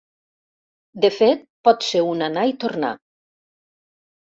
De fet, pot ser un anar i tornar.